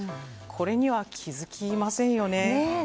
これには気づきませんよね。